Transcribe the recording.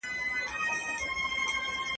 د نظر غشی به مي نن له شالماره څارې !.